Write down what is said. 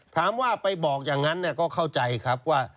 ถามว่าไปบอกอย่างนั้นก็เข้าใจครับว่า